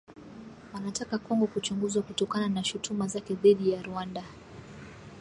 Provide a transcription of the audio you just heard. Wanataka Kongo kuchunguzwa kutokana na shutuma zake dhidi ya Rwanda